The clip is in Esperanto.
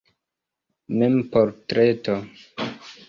Memportreto.